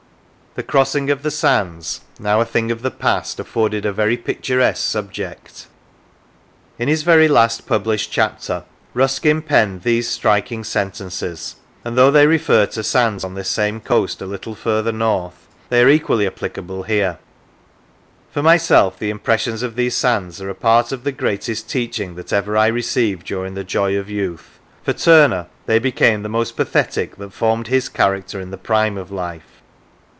The crossing of the sands, now a thing of the past, afforded a very pic turesque subject. In his very last published chapter, Ruskin penned these striking sentences, and though they refer to sands on this same coast a little further north, they are equally applicable here :" For myself, the impressions of these sands are a part of the greatest teaching that ever I received during the joy of youth; for Turner they became the most pathetic that formed his character in the prime of life.